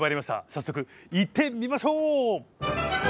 早速行ってみましょう！